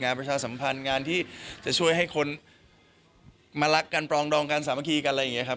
ประชาสัมพันธ์งานที่จะช่วยให้คนมารักกันปรองดองกันสามัคคีกันอะไรอย่างนี้ครับ